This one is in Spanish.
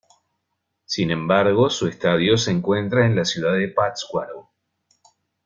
Sin embargo, su estadio se encuentra en la ciudad de Pátzcuaro.